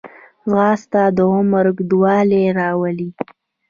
ځغاسته د عمر اوږدوالی راولي